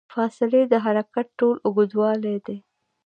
فاصلې د حرکت ټول اوږدوالی دی.